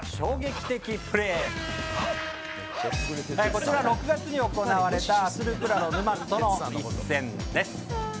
こちら６月に行われたアスルクラロ沼津との一戦です。